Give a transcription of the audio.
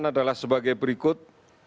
adalah sebagai berikut